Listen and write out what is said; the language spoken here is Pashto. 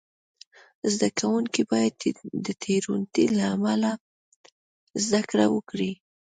زده کوونکي باید د تېروتنې له امله زده کړه وکړي.